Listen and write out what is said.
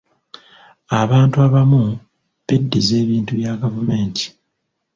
Abantu abamu beddiza ebintu bya gavumenti.